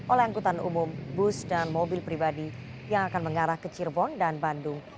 oleh angkutan umum bus dan mobil pribadi yang akan mengarah ke cirebon dan bandung